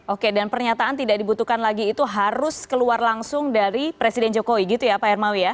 oke dan pernyataan tidak dibutuhkan lagi itu harus keluar langsung dari presiden jokowi gitu ya pak hermawi ya